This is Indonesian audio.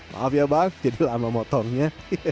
maaf ya bang jadi lama motongnya